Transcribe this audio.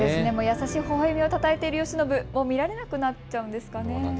優しいほほえみをたたえている慶喜、もう見られなくなってしまうんですかね。